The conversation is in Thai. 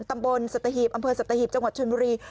ตำบลสัตหีบอำเภอสัตหีบจังหวัดชนบุรี